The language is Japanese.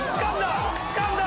つかんだ！